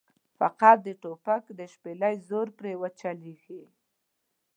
فقط د توپک د شپېلۍ زور پرې چلېږي.